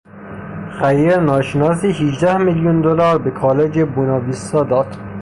خیر ناشناسی هیجده میلیون دلار به کالج بوناویستا داد.